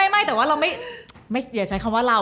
ไม่แต่ว่าเราไม่อย่าใช้คำว่าเรา